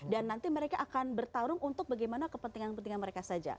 dan nanti mereka akan bertarung untuk bagaimana kepentingan kepentingan mereka saja